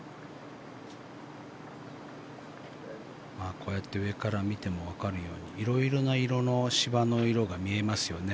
こうやって上から見てもわかるように色々な色の芝の色が見えますよね。